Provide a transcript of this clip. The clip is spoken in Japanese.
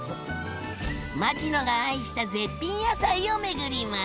牧野が愛した絶品野菜を巡ります。